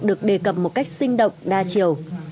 được đề cập một cách sinh động đa chiều